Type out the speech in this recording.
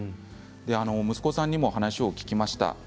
息子さんにも話を聞きました。